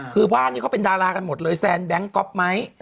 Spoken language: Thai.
คือว่านี่เขาเป็นดารากันหมดเลยแซนแบงก๊อปไม้